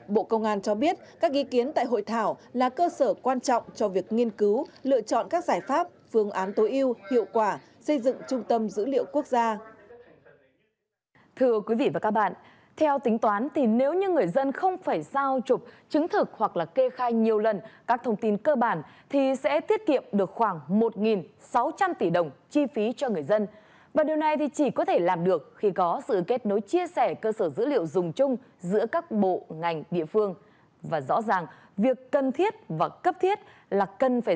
bộ công an cho biết các ghi kiến tại hội thảo là cơ sở quan trọng cho việc nghiên cứu lựa chọn các giải pháp phương án tối ưu hiệu quả